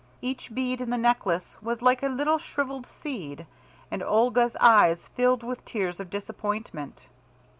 Each bead in the necklace was like a little shrivelled seed, and Olga's eyes filled with tears of disappointment.